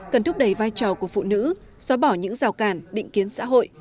cần thúc đẩy vai trò của phụ nữ xóa bỏ những rào cản định kiến xã hội